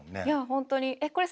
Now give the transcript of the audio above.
いや本当にえっ